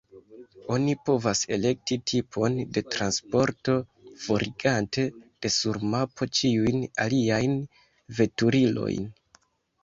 Oni povas elekti tipon de transporto, forigante de sur mapo ĉiujn aliajn veturilojn.